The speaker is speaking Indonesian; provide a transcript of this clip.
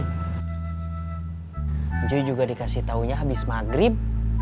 gue juga dikasih taunya habis maghrib